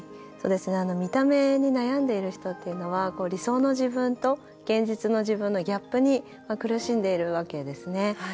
見た目に悩んでいる人というのは理想の自分と現実の自分のギャップに苦しんでいるわけですね。